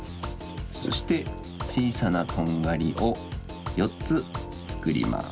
そしてちいさなとんがりをよっつつくります。